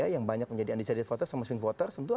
yang banyak menjadi undecided voters sama swing voters